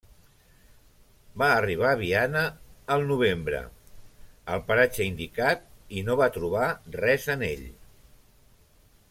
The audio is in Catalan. Va arribar Viana, el novembre, al paratge indicat i no va trobar res en ell.